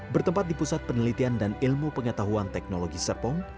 bertempat di pusat penelitian dan ilmu pengetahuan teknologi serpong